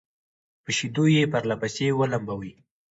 په شيدو يې پرله پسې ولمبوي